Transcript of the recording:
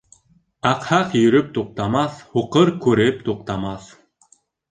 Аҡһаҡ йөрөп туҡтамаҫ, һуҡыр күреп туҡтамаҫ.